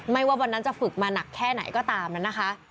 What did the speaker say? ว่าวันนั้นจะฝึกมาหนักแค่ไหนก็ตามนั้นนะคะ